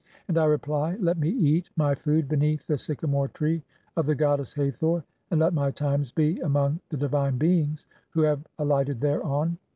[And I reply, 'Let me eat (6) "my food beneath the sycamore tree of the goddess Hathor, "and let my times be among the divine beings who have "alighted thereon.